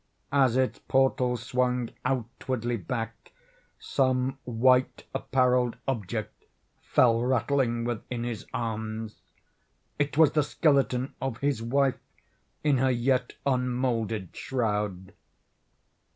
As its portals swung outwardly back, some white apparelled object fell rattling within his arms. It was the skeleton of his wife in her yet unmoulded shroud.